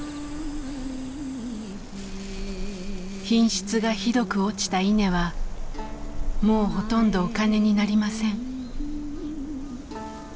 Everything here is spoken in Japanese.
品質がひどく落ちた稲はもうほとんどお金になりません。